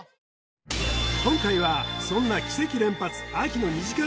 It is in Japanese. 今回はそんな奇跡連発秋の２時間